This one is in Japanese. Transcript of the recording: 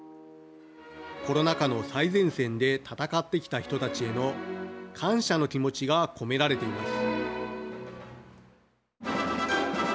コロナ禍の最前線で闘ってきた人たちへの感謝の気持ちが込められています。